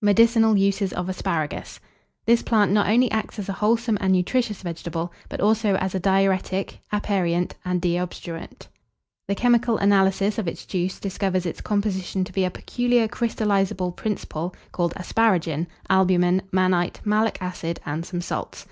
MEDICINAL USES OF ASPARAGUS. This plant not only acts as a wholesome and nutritious vegetable, but also as a diuretic, aperient, and deobstruent. The chemical analysis of its juice discovers its composition to be a peculiar crystallizable principle, called asparagin, albumen, mannite, malic acid, and some salts.